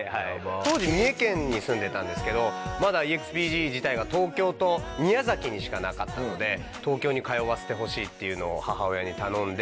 当時三重県に住んでたんですけどまだＥＸＰＧ自体が東京と宮崎にしかなかったので東京に通わせてほしいっていうのを母親に頼んで。